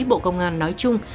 bộ công an nói chung